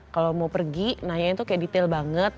kalau mau pergi nanya itu kayak detail banget